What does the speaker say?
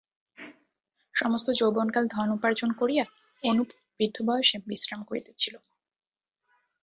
সমস্ত যৌবনকাল ধন উপার্জন করিয়া অনুপ বৃদ্ধ বয়সে বিশ্রাম করিতেছিলেন।